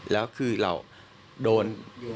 แล้วคือเราโดน